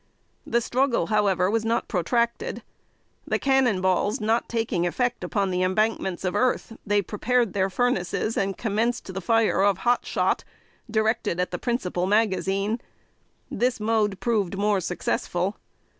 The struggle, however, was not protracted. The cannon balls not taking effect upon the embankments of earth, they prepared their furnaces and commenced the fire of hot shot, directed at the principal magazine. This mode proved more successful.